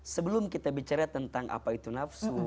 sebelum kita bicara tentang apa itu nafsu